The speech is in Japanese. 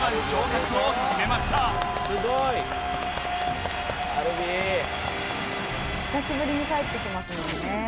「久しぶりに帰ってきますもんね」